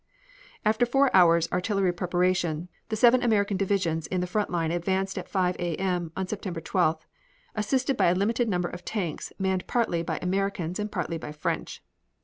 After four hours' artillery preparation, the seven American divisions in the front line advanced at 5 A. M., on September 12th, assisted by a limited number of tanks manned partly by Americans and partly by the French.